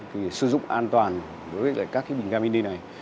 thì sử dụng an toàn với các bình gà mini này